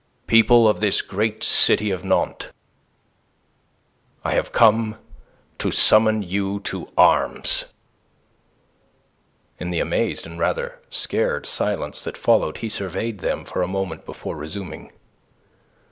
"People of this great city of Nantes, I have come to summon you to arms!" In the amazed and rather scared silence that followed he surveyed them for a moment before resuming.